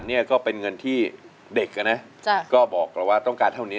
กรรมนี่จะเป็นเงินที่เด็กนะนะก็บอกต้องการเท่านี้